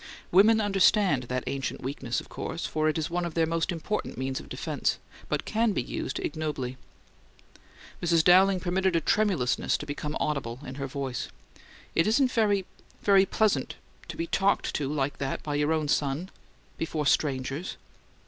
Women understand that ancient weakness, of course; for it is one of their most important means of defense, but can be used ignobly. Mrs. Dowling permitted a tremulousness to become audible in her voice. "It isn't very very pleasant to be talked to like that by your own son before strangers!"